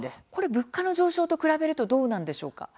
物価の上昇と比べるとどうなんですか。